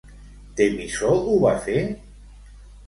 Temisó ho va fer?